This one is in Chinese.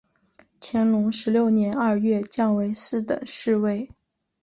乾隆十六年二月降为四等侍卫。